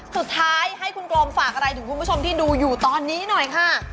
สุดท้ายให้คุณกลมฝากอะไรถึงคุณผู้ชมที่ดูอยู่ตอนนี้หน่อยค่ะ